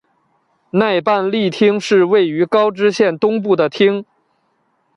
奈半利町是位于高知县东部的町。